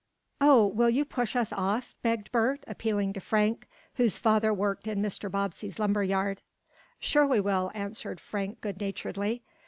"Oh, will you push us off?" begged Bert, appealing to Frank, whose father worked in Mr. Bobbsey's lumber yard. "Sure we will," answered Frank goodnaturedly.